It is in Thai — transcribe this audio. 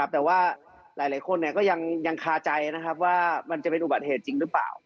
แต่ว่าหลายคนก็ยังคาใจนะครับว่ามันจะเป็นอุบัติเหตุจริงหรือเปล่า